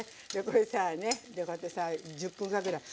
これさねこうやってさ１０分間ぐらい。